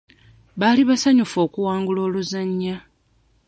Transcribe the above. Baali basanyufu okuwangula oluzannya.